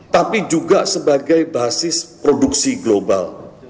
tapi juga sebagai basis produksi global